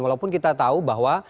walaupun kita tahu bahwa